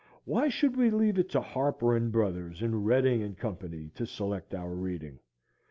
Why should we leave it to Harper & Brothers and Redding & Co. to select our reading?